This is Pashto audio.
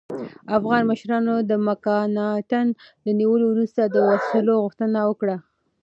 افغان مشرانو د مکناتن د نیولو وروسته د وسلو غوښتنه وکړه.